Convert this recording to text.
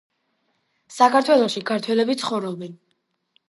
საქართველოში ქართველები ცხოვრობენ